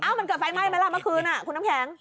อ้าวมันเกิดไฟไหม้เมื่อละเมื่อคืนคุณน้ำแข็ง